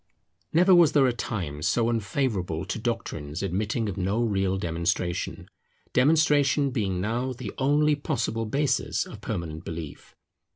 Never was there a time so unfavourable to doctrines admitting of no real demonstration: demonstration being now the only possible basis of permanent belief.